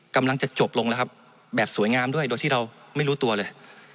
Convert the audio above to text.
กำลังจะจบลงแล้วครับแบบสวยงามด้วยโดยที่เราไม่รู้ตัวเลย